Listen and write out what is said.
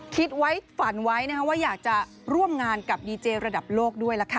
คิดไว้ฝันไว้นะคะว่าอยากจะร่วมงานกับดีเจระดับโลกด้วยล่ะค่ะ